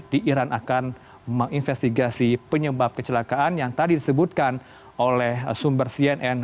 di iran akan menginvestigasi penyebab kecelakaan yang tadi disebutkan oleh sumber cnn